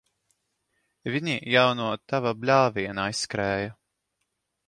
Viņi jau no tava bļāviena aizskrēja.